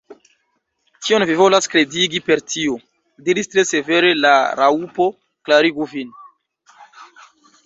"Kion vi volas kredigi per tio?" diris tre severe la Raŭpo. "Klarigu vin."